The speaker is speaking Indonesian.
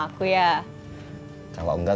aku udah di depan